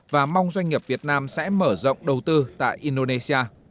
và mong doanh nghiệp việt nam sẽ mở rộng đầu tư tại indonesia